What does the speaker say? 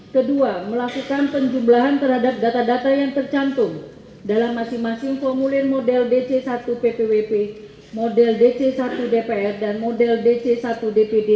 kedua melakukan penjumlahan terhadap data data yang tercantum dalam masing masing formulir model dc satu ppwp model dc satu dpr dan model dc satu dpd